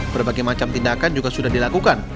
berbagai macam tindakan juga sudah dilakukan